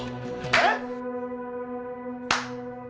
えっ？